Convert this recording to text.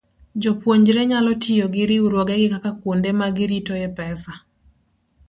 Jopuonjre nyalo tiyo gi riwruogegi kaka kuonde ma giritoe pesa.